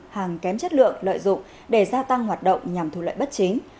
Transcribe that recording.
hàng kém chất lượng lợi dụng để gia tăng hoạt động nhằm thu lợi bất chính